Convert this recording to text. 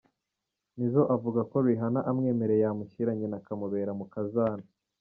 Nizzo we avuga ko Rihanna amwemereye, yamushyira nyina akamubera umukazana.